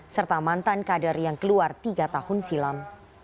serta mantan kader yang keluar tiga tahun silam